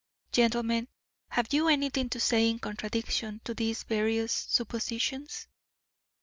Gentlemen, have you anything to say in contradiction to these various suppositions?"